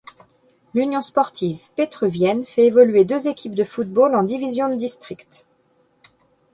L'Union sportive pétruvienne fait évoluer deux équipes de football en divisions de district.